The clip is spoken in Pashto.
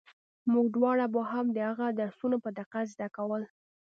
موږ دواړو به هم د هغه درسونه په دقت زده کول.